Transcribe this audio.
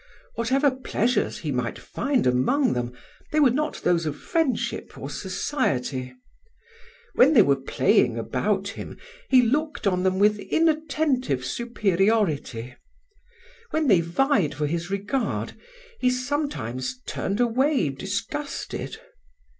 Whatever pleasures he might find among them, they were not those of friendship or society. When they were playing about him he looked on them with inattentive superiority; when they vied for his regard he sometimes turned away disgusted.